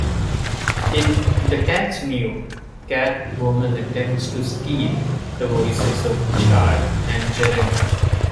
In "The Cat's Meow", Catwoman attempts to "steal" the voices of Chad and Jeremy.